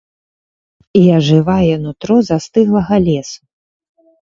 І ажывае нутро застыглага лесу.